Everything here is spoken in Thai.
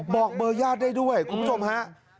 บอกเบอร์ญาติได้ด้วยคุณผู้ชมฮะ